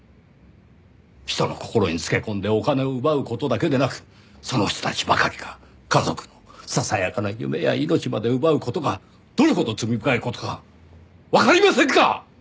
人の心につけ込んでお金を奪う事だけでなくその人たちばかりか家族のささやかな夢や命まで奪う事がどれほど罪深い事かわかりませんか！